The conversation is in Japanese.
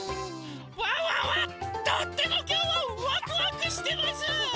ワンワンはとってもきょうはワクワクしてます！